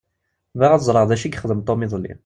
Bɣiɣ ad ẓṛeɣ d acu i yexdem Tom iḍelli.